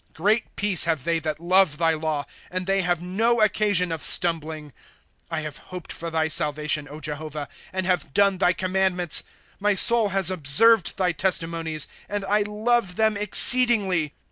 ^ Great peace have they tliat love thy law ; And they have no occasion of stumbling. ^ I have hoped for thy salvation, Jehovah ; And have done thy commandments. ■'' My soul has observed thy testimonies, And I love them exceedingly.